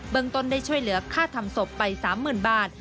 ตนได้ช่วยเหลือค่าทำศพไป๓๐๐๐บาท